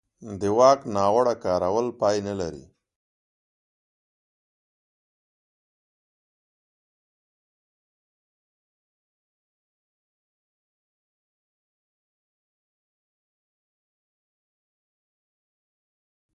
د واک ناوړه کارول پای نه لري